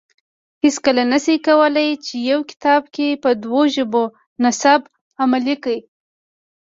هیڅکله نه شي کولای چې یو مکتب کې په دوه ژبو نصاب عملي کړي